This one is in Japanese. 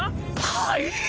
はい？